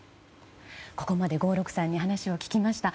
ここまで合六さんに話を聞きました。